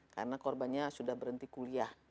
karena korbannya sudah berhenti kuliah